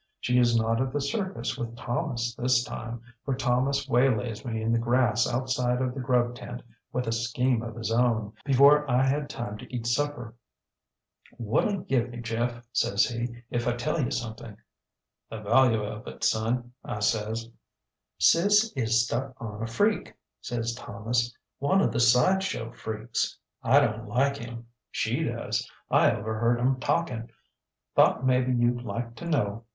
She is not at the circus with Thomas this time, for Thomas waylays me in the grass outside of the grub tent with a scheme of his own before I had time to eat supper. ŌĆ£ŌĆśWhatŌĆÖll you give me, Jeff, ŌĆÖ says he, ŌĆśif I tell you something? ŌĆÖ ŌĆ£ŌĆśThe value of it, son, ŌĆÖ I says. ŌĆ£ŌĆśSis is stuck on a freak, ŌĆÖ says Thomas, ŌĆśone of the side show freaks. I donŌĆÖt like him. She does. I overheard ŌĆÖem talking. Thought maybe youŌĆÖd like to know.